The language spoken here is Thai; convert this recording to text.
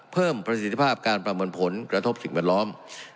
เพิ่มประสิทธิภาพการประเมินผลกระทบสิ่งแวดล้อม